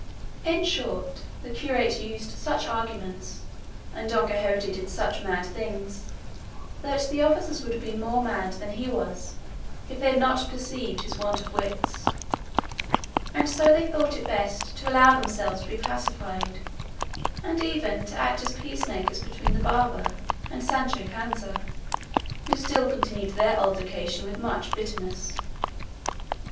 In short, the curate used such arguments, and Don Quixote did such mad things, that the officers would have been more mad than he was if they had not perceived his want of wits, and so they thought it best to allow themselves to be pacified, and even to act as peacemakers between the barber and Sancho Panza, who still continued their altercation with much bitterness.